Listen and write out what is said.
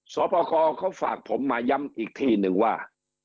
สวพคอเขาฝากผมมาย้ำอีกทีหนึ่งว่า